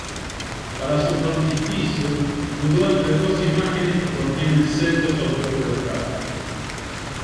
Para su frontispicio dudó entre dos imágenes que contienen sendos autorretratos.